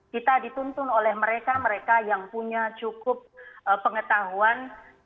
kita dituntun oleh mereka mereka yang punya cukup pengetahuan